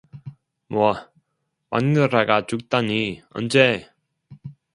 뭐, 마누라가 죽다니, 언제?